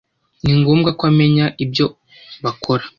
Ni ngombwa ko amenya ibyo bakora.